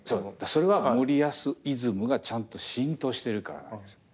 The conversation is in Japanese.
それは森保イズムがちゃんと浸透してるからなんですよ。